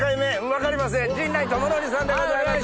分かりません陣内智則さんでございます。